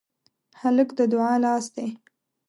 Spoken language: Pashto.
هلک د دعا لاس دی.